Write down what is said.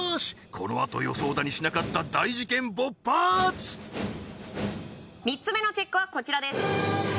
このあと予想だにしなかった大事件勃発３つ目のＣＨＥＣＫはこちらです